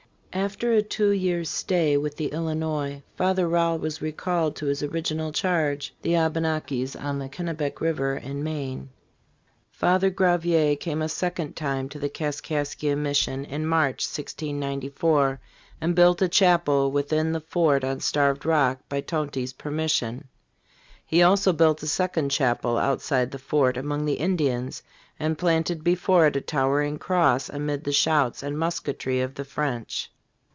After a two years' stay with the Illinois, Father Rale was recalled to his original charge, the Abe nakis on the Kennebec river in Maine * Father Gravier came a second time to the Kaskaskia mission in March, 1694, and built a chapel within the fort on Starved Rock, by Tonty's permission. He also built a second chapel outside the fort among the Indians, and "planted before it a towering cross amid the shouts and musketry of the French."